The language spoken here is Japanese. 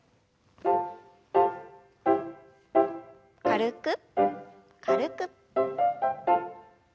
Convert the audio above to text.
軽く軽く。